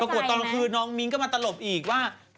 ตอนกลางคืนน้องมิ้งก็มาตลบอีกว่า